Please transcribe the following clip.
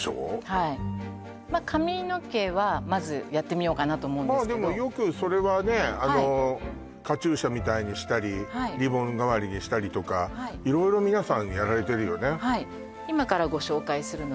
はい髪の毛はまずやってみようかなと思うんですけどまあでもよくそれはねはいカチューシャみたいにしたりリボン代わりにしたりとか色々皆さんやられてるよね